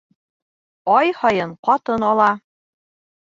Ай һайын ҡатын ала